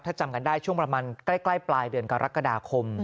ถ้าจำกันได้ช่วงประมาณใกล้ปลายเดือนกรกฎาคม